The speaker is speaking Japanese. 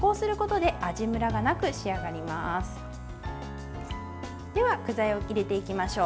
では、具材を入れていきましょう。